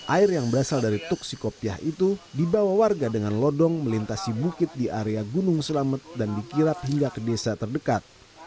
air yang berasal dari tuksikopiah itu dibawa warga dengan lodong melintasi bukit di area gunung selamet dan dikirap hingga ke desa terdekat